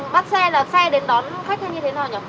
bắt xe là xe đến đón khách hay như thế nào